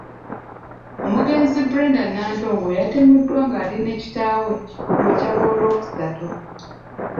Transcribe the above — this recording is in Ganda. Omugenzi Brenda Nantongo yatemuddwa ng’ali ne kitaawe ku makya g’Olwokusatu.